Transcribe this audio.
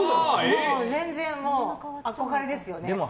全然、憧れですよね。